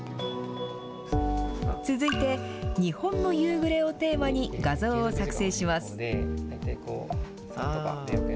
続いて、日本の夕暮れをテーマに画像を作成します。